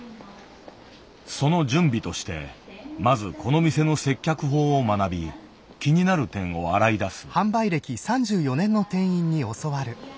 その準備としてまずこの店の接客法を学び気になる点を洗い出す。